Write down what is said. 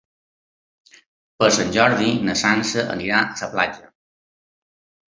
Per Sant Jordi na Sança anirà a la platja.